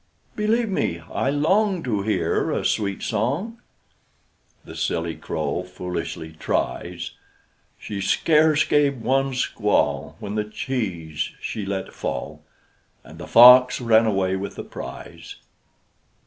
"Believe me, I long To hear a sweet song!" The silly crow foolishly tries: She scarce gave one squall, When the cheese she let fall, And the fox ran away with the prize.